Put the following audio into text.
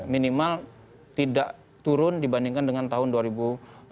minimal tidak turun dibandingkan dengan tahun dua ribu empat belas lalu